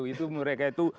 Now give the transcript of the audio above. itu mereka itu